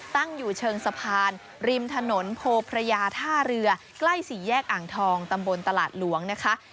ตั้งอยู่เชิงสะพานริมถนนโพพระยาท่าเรือใกล้สี่แยกอ่างทองตำบลตลาดหลวงนะคะ